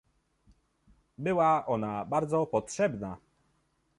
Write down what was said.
Była ona bardzo potrzebna